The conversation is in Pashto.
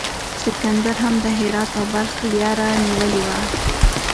سکندر هم د هرات او بلخ لیاره نیولې وه.